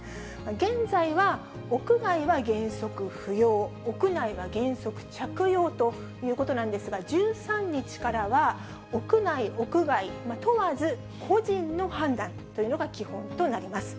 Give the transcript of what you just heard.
現在は屋外は原則不要、屋内は原則着用ということなんですが、１３日からは、屋内、屋外問わず、個人の判断というのが基本となります。